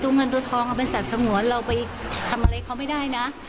เงินตัวทองเอาเป็นสัตว์สงวนเราไปทำอะไรเขาไม่ได้นะ